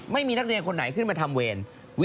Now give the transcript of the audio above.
ไม่มีนักเรียนคนไหนขึ้นมาทำเวร